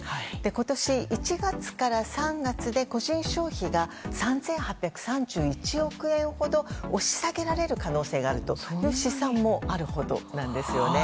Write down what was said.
今年１月から３月で個人消費が３８３１億円ほど押し下げられる可能性があるという試算もあるほどなんですね。